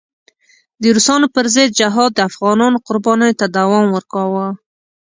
د روسانو پر ضد جهاد د افغانانو قربانیو ته دوام ورکاوه.